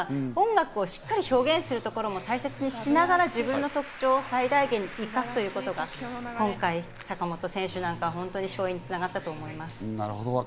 音楽をしっかり表現する所も大切にしながら自分の特長を最大限に生かすということが、今回、坂本選手なんかは勝因に繋がったと思います。